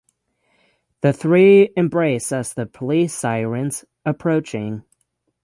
The three embrace as the police sirens approaching.